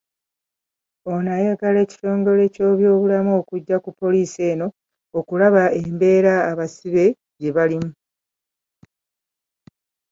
Ono ayagala ekitongole ky'ebyobulamu okujja ku poliisi eno okulaba embeera abasibe gye balimu.